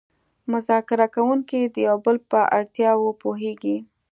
مذاکره کوونکي د یو بل په اړتیاوو پوهیږي